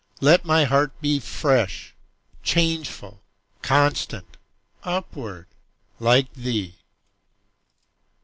Let my heart be Fresh, changeful, constant, Upward, like thee!